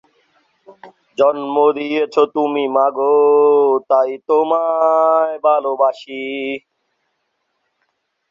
ঐ সময়েও তিনি ইংল্যান্ডের ল্যাঙ্কাশায়ার লীগে খেলেছিলেন।